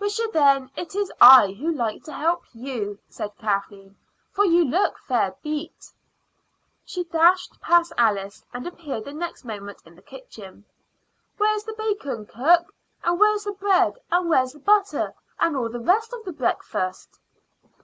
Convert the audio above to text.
"Wisha, then, it is I who like to help you," said Kathleen, "for you look fair beat." She dashed past Alice, and appeared the next moment in the kitchen. "Where's the bacon, cook? And where's the bread, and where's the butter, and all the rest of the breakfast?